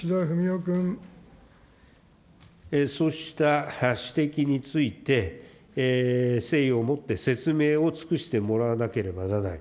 そうした指摘について、誠意をもって説明を尽くしてもらわなければならない。